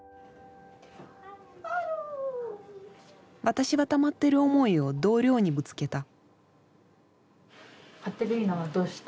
私はたまっている思いを同僚にぶつけた。